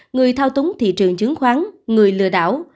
người thao túng thị trường chứng khoán người lừa đảo